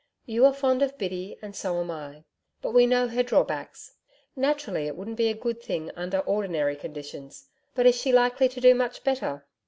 You are fond of Biddy and so am I, but we know her drawbacks. Naturally, it wouldn't be a good thing under ordinary conditions, but is she likely to do much better?'